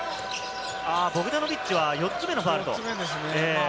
ボグダノビッチは４つ目のファウルですね。